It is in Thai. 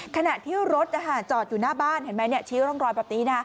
ขณะที่รถจอดอยู่หน้าบ้านเห็นไหมชี้ร่องรอยแบบนี้นะ